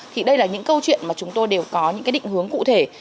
thì đây là những câu chuyện mà chúng tôi đều có những cái định hướng cụ thể